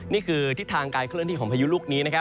นี่คือทิศทางการเคลื่อนที่ของพายุลูกนี้